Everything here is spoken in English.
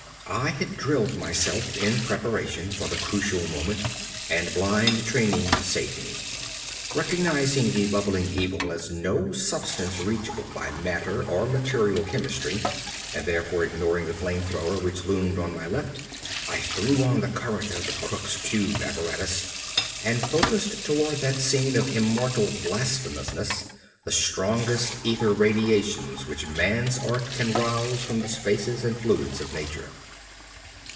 I had drilled myself in preparation for the crucial moment, and blind training saved me. Recognizing the bubbling evil as no substance reachable by matter or material chemistry, and therefore ignoring the flame thrower which loomed on my left, I threw on the current of the Crookes tube apparatus, and focussed toward that scene of immortal blasphemousness the strongest ether radiations which man's art can arouse from the spaces and fluids of nature.